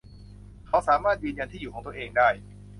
เขาสามารถยืนยันที่อยู่ของตัวเองได้